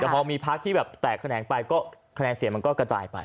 แต่พอมีพักที่แบบแตกแขนงไปก็คะแนนเสียงมันก็กระจายไป